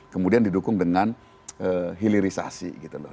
kemudian didukung dengan hillary sanders